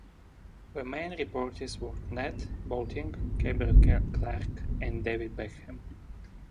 The main reporters were Ned Boulting, Gabriel Clarke and Dave Beckett.